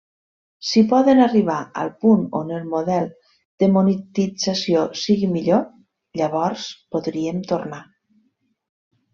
Si poden arribar al punt on el model de monetització sigui millor, llavors podríem tornar.